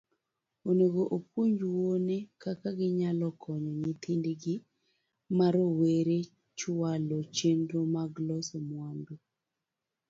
Onego opuonj wuone kaka ginyalo konyo nyithindgi ma rowere chwalo chenro mag loso mwandu.